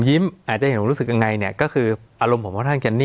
สวัสดีครับทุกผู้ชม